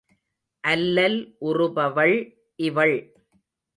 அல்லல் உறுபவள் இவள்.